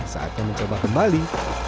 saatnya mencoba kembali